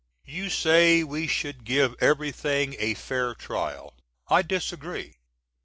You say we sh^d. give everything a fair trial. I disagree.